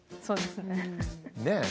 そうですね。